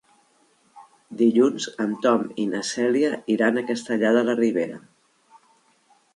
Dilluns en Tom i na Cèlia iran a Castellar de la Ribera.